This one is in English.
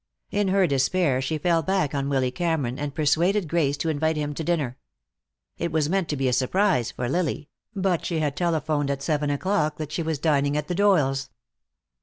In her despair she fell back on Willy Cameron and persuaded Grace to invite him to dinner. It was meant to be a surprise for Lily, but she had telephoned at seven o'clock that she was dining at the Doyles'.